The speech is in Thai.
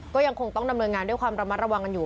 ก็ยังคงต้องดำเนินงานด้วยความระมัดระวังกันอยู่